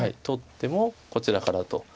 取ってもこちらからと。